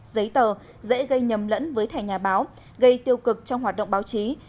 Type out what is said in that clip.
giấy tờ dễ gây nhầm lẫn với thẻ nhà báo gây tiêu cực trong hoạt động báo chí